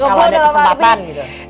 kalau ada kesempatan gitu